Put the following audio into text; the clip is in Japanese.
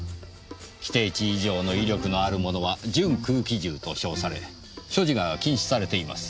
規定値以上の威力のあるものは「準空気銃」と称され所持が禁止されています。